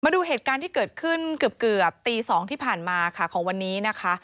ดูเหตุการณ์ที่เกิดขึ้นเกือบตี๒ที่ผ่านมาค่ะของวันนี้นะคะ